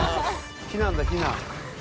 避難だ避難。